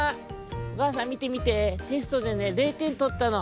おかあさんみてみてテストでね０てんとったの！